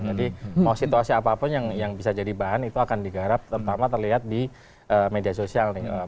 jadi mau situasi apapun yang bisa jadi bahan itu akan digarap terutama terlihat di media sosial nih